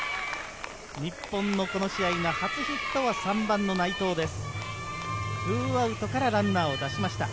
日本のこの試合が初ヒット、３番の内藤です。